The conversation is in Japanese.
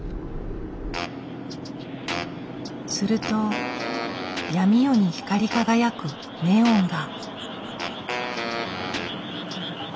すると闇夜に光り輝くネオンが。